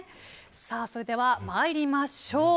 それでは参りましょう。